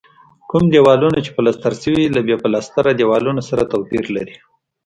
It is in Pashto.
کوم دېوالونه چې پلستر شوي له بې پلستره دیوالونو سره توپیر لري.